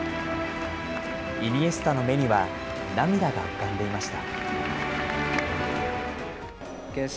イニエスタの目には涙が浮かんでいました。